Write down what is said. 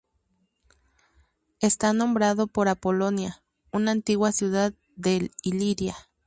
Está nombrado por Apolonia, una antigua ciudad de Iliria.